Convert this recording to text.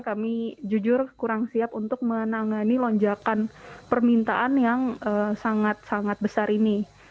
kami jujur kurang siap untuk menangani lonjakan permintaan yang sangat sangat besar ini